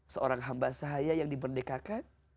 seorang hamba sahaya yang dimerdekakan